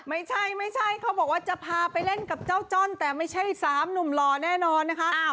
ไม่ใช่ไม่ใช่เขาบอกว่าจะพาไปเล่นกับเจ้าจ้อนแต่ไม่ใช่๓หนุ่มหล่อแน่นอนนะคะ